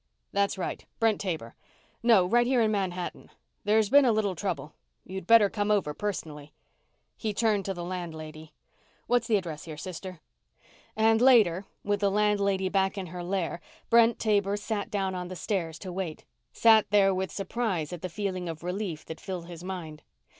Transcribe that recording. That's right, Brent Taber ... No, right, here in Manhattan. There's been a little trouble. You'd better come over personally." He turned to the landlady. "What's the address here, sister?" And later, with the landlady back in her lair, Brent Taber sat down on the stairs to wait; sat there with surprise at the feeling of relief that filled his mind.